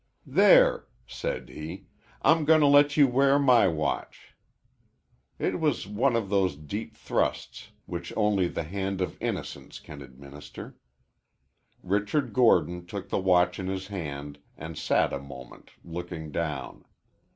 "There," said he, "I'm going to let you wear my watch." It was one of those deep thrusts which only the hand of innocence can administer. Richard Gordon took the watch in his hand and sat a moment looking down.